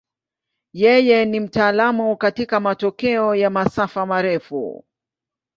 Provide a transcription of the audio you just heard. Yeye ni mtaalamu katika matukio ya masafa marefu.